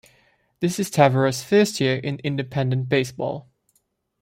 This is Taveras first year in Independent Baseball.